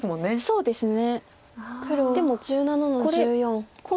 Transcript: そうですね。